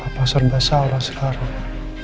apa serba salah sekarang